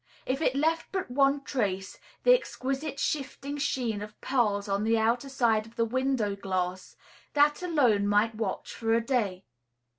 If it left but one trace, the exquisite shifting sheen of pearls on the outer side of the window glass, that alone one might watch for a day.